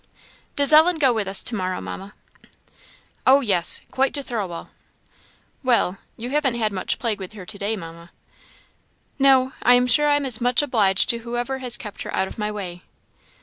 "Does Ellen go with us to morrow, Mamma?" "Oh, yes! quite to Thirlwall." "Well, you haven't had much plague with her to day, Mamma." "No I am sure I am much obliged to whoever has kept her out of my way."